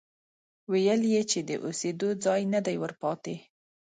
ويل يې چې د اوسېدو ځای نه دی ورپاتې،